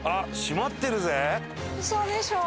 ウソでしょ？